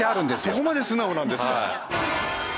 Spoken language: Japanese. そこまで素直なんですか。